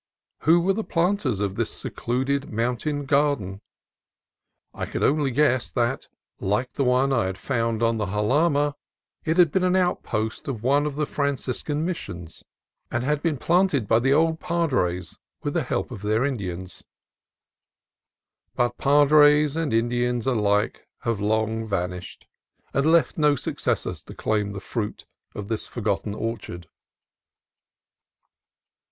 Who were the planters of this secluded mountain garden? I could only guess that, like the one I had found on the Jalama, it had been an outpost of one of the Franciscan Missions, and had been cultivated by 170 CALIFORNIA COAST TRAILS the old padres with the help of their Indians. But padres and Indians alike have long vanished, and left no successors to claim the fruit of this forgotten orchard.